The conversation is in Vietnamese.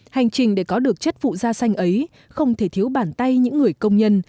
hành trình để có được chất phụ da xanh ấy không thể thiếu bản tay những người công nhân